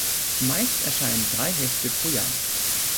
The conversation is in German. Meist erscheinen drei Hefte pro Jahr.